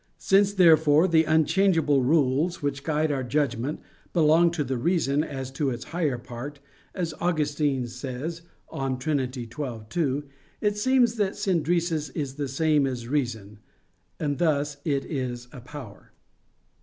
Since, therefore, the unchangeable rules which guide our judgment belong to the reason as to its higher part, as Augustine says (De Trin. xii, 2), it seems that "synderesis" is the same as reason: and thus it is a power.